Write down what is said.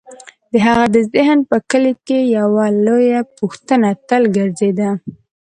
د هغه د ذهن په کلي کې یوه لویه پوښتنه تل ګرځېده: